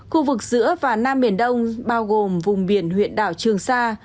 khu vực giữa và nam biển đông bao gồm vùng biển huyện đảo trường sa